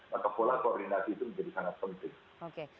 maka pola koordinasi itu menjadi sangat penting